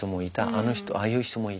あの人ああいう人もいたって。